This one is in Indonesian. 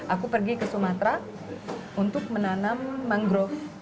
aku pergi ke sumatera untuk menanam mangrove